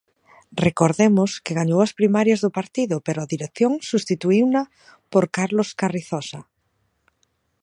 Recordemos que gañou as primarias do partido pero a dirección substituíuna por Carlos Carrizosa.